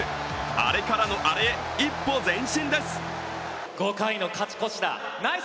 アレからのアレへ、一歩前進です。